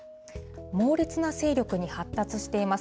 猛烈な勢力に発達しています。